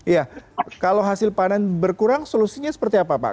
ya kalau hasil panen berkurang solusinya seperti apa pak